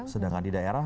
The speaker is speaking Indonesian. sedangkan di daerah